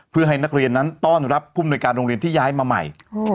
เพื่อให้นักเรียนนั้นต้อนรับผู้มนุยการโรงเรียนที่ย้ายมาใหม่